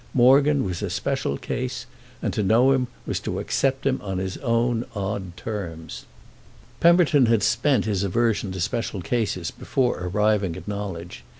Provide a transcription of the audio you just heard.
Morgan was a special case, and to know him was to accept him on his own odd terms. Pemberton had spent his aversion to special cases before arriving at knowledge.